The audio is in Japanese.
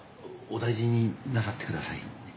お大事になさってください。